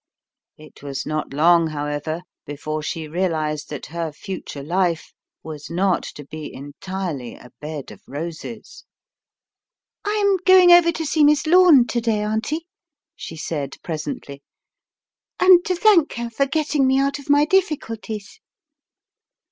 It was not long, however, before she realized that her future life was not to be entirely a bed of roses. The Cry in the Night 67 "I am going over to see Miss Lome to day, Auntie/' she said presently, "and to thank her for getting me out of my difficulties."